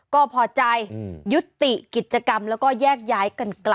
ก็พอใจยุติกิจกรรมแล้วก็แยกย้ายกันกลับ